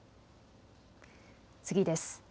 次です。